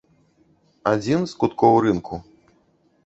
Адзін з куткоў рынку.